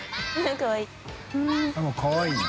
かわいいね。